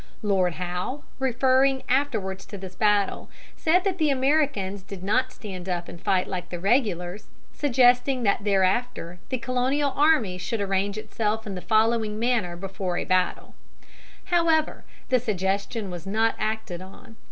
Lord Howe, referring afterwards to this battle, said that the Americans did not stand up and fight like the regulars, suggesting that thereafter the Colonial army should arrange itself in the following manner before a battle! [Illustration: GENERAL HOWE'S SUGGESTION.] However, the suggestion was not acted on.